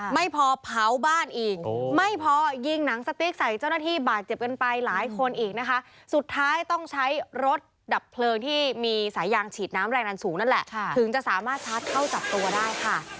ไม่พอเผาบ้านอีกไม่พอยิงหนังสติ๊กใส่เจ้าหน้าที่บาดเจ็บกันไปหลายคนอีกนะคะสุดท้ายต้องใช้รถดับเพลิงที่มีสายยางฉีดน้ำแรงดันสูงนั่นแหละถึงจะสามารถชาร์จเข้าจับตัวได้ค่ะ